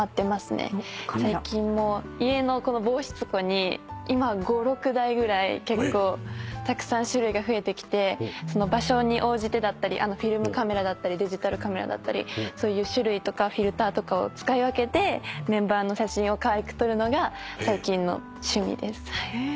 最近も家の防湿庫に今５６台ぐらい結構たくさん種類が増えてきてその場所に応じてだったりフィルムカメラだったりデジタルカメラだったりそういう種類とかフィルターとかを使い分けてメンバーの写真をかわいく撮るのが最近の趣味です。